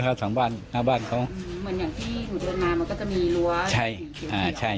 เหมือนอย่างที่หุ่นเรือนนานมันก็จะมีรั้วเฉียว